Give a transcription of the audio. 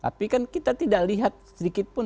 tapi kan kita tidak lihat sedikit pun